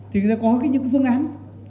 thì có những phương án